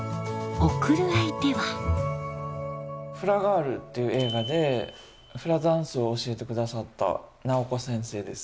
『フラガール』っていう映画でフラダンスを教えてくださった尚子先生です。